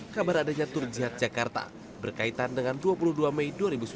kabar adanya tur jihad jakarta berkaitan dengan dua puluh dua mei dua ribu sembilan belas